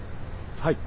はい。